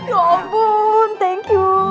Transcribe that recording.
ya ampun thank you